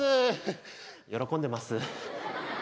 喜んでます。